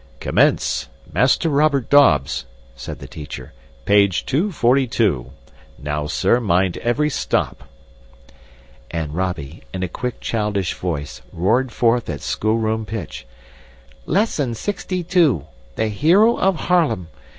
"Commence! Master Robert Dobbs," said the teacher, "page 242. Now, sir, mind every stop." And Robby, in a quick childish voice, roared forth at schoolroom pitch, "Lesson 62. The Hero of Haarlem.